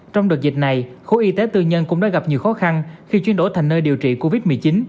trong đợt dịch này khối y tế tư nhân cũng đã gặp nhiều khó khăn khi chuyển đổi thành nơi điều trị covid một mươi chín